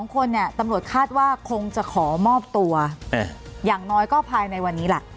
๒คนเนี่ยตำรวจคาดว่าคงจะขอมอบตัวอย่างน้อยก็ภายในวันนี้ล่ะ